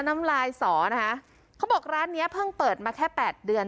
น้ำลายสอนะคะเขาบอกร้านเนี้ยเพิ่งเปิดมาแค่แปดเดือน